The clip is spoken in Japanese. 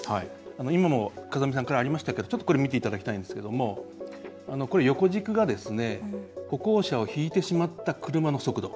今も風見さんからありましたけどこれを見ていただきたいんですがこれ、横軸が歩行者をひいてしまった車の速度。